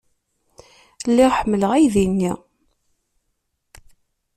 Lliɣ ḥemmleɣ aydi-nni.